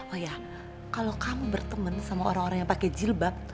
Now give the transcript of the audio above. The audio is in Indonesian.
oh ya kalo kamu bertemen sama orang orang yang pake jilbab